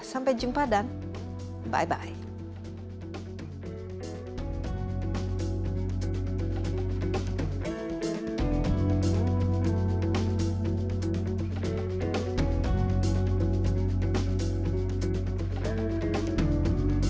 sampai jumpa dan by bye